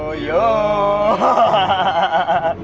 gitu dong baru temen gua